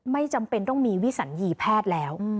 ไม่จำเป็นต้องมีวิสัญญีแพทย์แล้ว